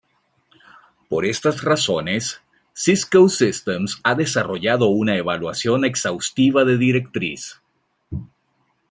Por estas razones, Cisco Systems ha desarrollado una evaluación exhaustiva de directriz.